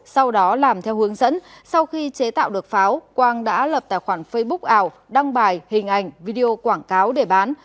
sau đó làm theo hướng dẫn sau khi chế tạo được pháo quang đã lập tài khoản facebook ảo đăng bài hình ảnh video quảng cáo để bán